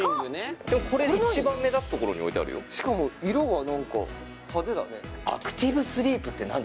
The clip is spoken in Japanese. これ一番目立つところに置いてあるよしかも色が何か派手だねアクティブ？